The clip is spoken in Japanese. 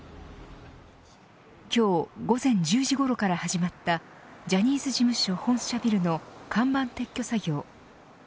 今日午前１０時ごろから始まったジャニーズ事務所本社ビルの看板撤去作業。